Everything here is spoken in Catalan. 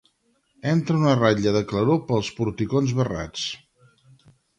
Entra una ratlla de claror pels porticons barrats.